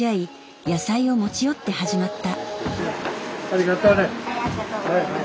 ありがとうね。